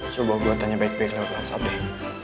coba gue tanya baik baik lewat whatsapp deh